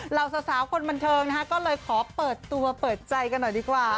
เหล่าสาวคนบันเทิงนะฮะก็เลยขอเปิดตัวเปิดใจกันหน่อยดีกว่า